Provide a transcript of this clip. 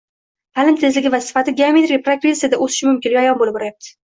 ta’lim tezligi va sifati geometrik progressiyada o‘sishi mumkinligi ayon bo‘lib boryapti.